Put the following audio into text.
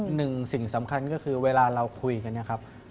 หนึ่งสิ่งสำคัญก็คือเวลาเราคุยกัน